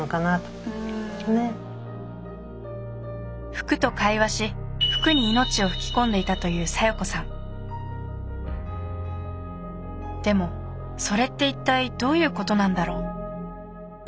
服と会話し服に命を吹き込んでいたという小夜子さんでもそれって一体どういうことなんだろう？